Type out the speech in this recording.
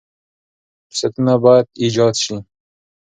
فرصتونه باید ایجاد شي.